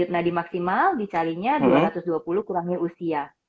nah di maksimal di carinya dua ratus dua puluh kurangnya usia